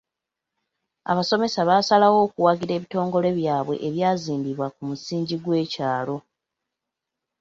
Abasomesa baasalawo okuwagira ebitongole byabwe ebyazimbibwa ku musingi gw'ekyalo.